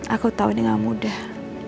aku tau ini gak mudah